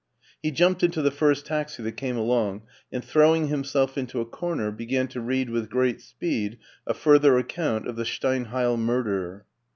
He jumped into the first taxi that came along, and throwing himself into a comer, began to read with great speed a further accotmt of the Steinheil murder.